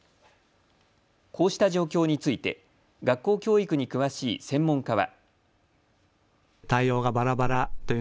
こうした状況について学校教育に詳しい専門家は。